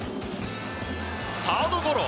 サードゴロ。